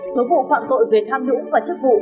số vụ phạm tội về tham nhũng và chức vụ